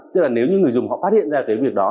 tức là nếu như người dùng họ phát hiện ra cái việc đó